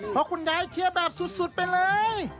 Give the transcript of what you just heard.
เพราะคุณยายเชียร์แบบสุดไปเลย